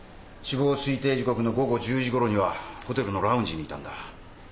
死亡推定時刻の午後１０時頃にはホテルのラウンジにいたんだ。